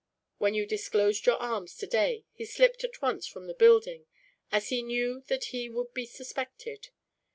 When you disclosed your arms, today, he slipped at once from the building, as he knew that he would be suspected.